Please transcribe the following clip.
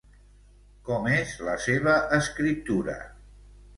Com és la seva escriptura?